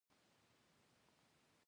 وجیبې سمې نه ادا کېږي.